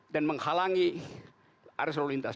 dan menghalangi area seluruh lintas